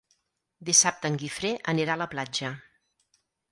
Dissabte en Guifré anirà a la platja.